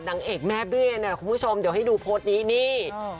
นางเอกแม่เบี้ยนะคุณผู้ชมเดี๋ยวให้ดูโพสต์นี้นี่